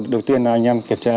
đầu tiên là anh em kiểm tra